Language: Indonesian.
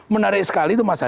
menarik sekali itu masalahnya